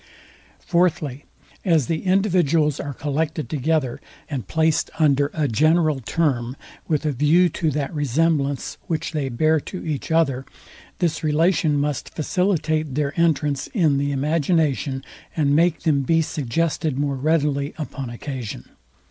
Fourthly, As the individuals are collected together, said placed under a general term with a view to that resemblance, which they bear to each other, this relation must facilitate their entrance in the imagination, and make them be suggested more readily upon occasion.